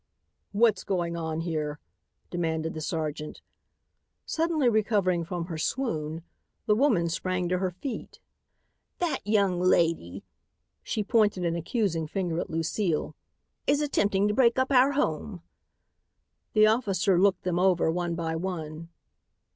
"What's going on here?" demanded the sergeant. Suddenly recovering from her swoon, the woman sprang to her feet. "That young lady," she pointed an accusing finger at Lucile, "is attempting to break up our home." The officer looked them over one by one.